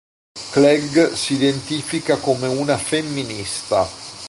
Clegg si identifica come una femminista.